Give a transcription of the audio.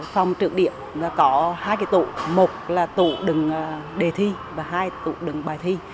phòng trượng điểm có hai tụ một là tụ đừng đề thi và hai tụ đừng bài thi